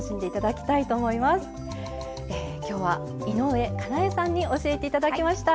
きょうは井上かなえさんに教えて頂きました。